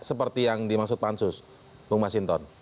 seperti yang dimaksud pansus